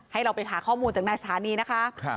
ให้เราไปหาข้อมูลจากนายสถานีนะคะ